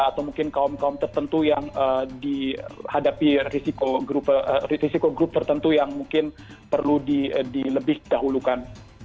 atau mungkin kaum kaum tertentu yang dihadapi risiko risiko grup tertentu yang mungkin perlu dilebih dahulukan